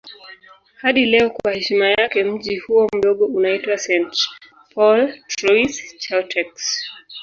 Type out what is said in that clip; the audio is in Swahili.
Hadi leo kwa heshima yake mji huo mdogo unaitwa St. Paul Trois-Chateaux.